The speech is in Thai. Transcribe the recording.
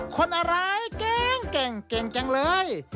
คนอะไรแกล้งแกล้งแกล้งแกล้งเลย